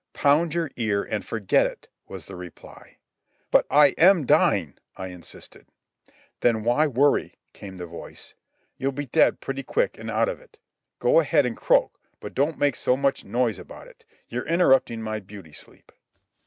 "Pound your ear and forget it," was the reply. "But I am dying," I insisted. "Then why worry?" came the voice. "You'll be dead pretty quick an' out of it. Go ahead and croak, but don't make so much noise about it. You're interruptin' my beauty sleep."